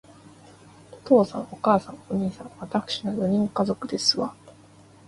お父様、お母様、お兄様、わたくしの四人家族ですわ